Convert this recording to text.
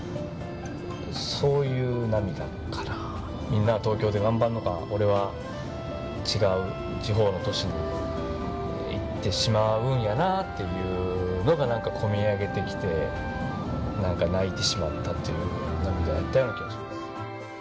みんな東京で頑張るのか俺は違う地方の都市に行ってしまうんやなっていうのが込み上げてきて何か泣いてしまったという涙やった気がします。